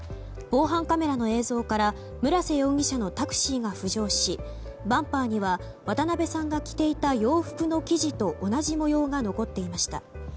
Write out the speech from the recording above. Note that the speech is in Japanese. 防犯カメラの映像から村瀬容疑者のタクシーが浮上しバンパーには渡辺さんが着ていた洋服の生地と同じ模様が残っていました。